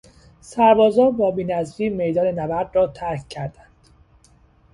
سربازان با بینظمی میدان نبرد را ترک کردند.